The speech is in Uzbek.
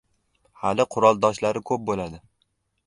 Hali quroldoshlari ko‘p bo‘ldi.